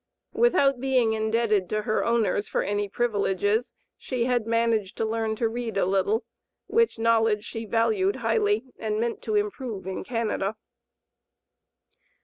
Without being indebted to her owners for any privileges, she had managed to learn to read a little, which knowledge she valued highly and meant to improve in Canada.